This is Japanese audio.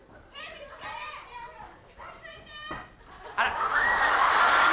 あら。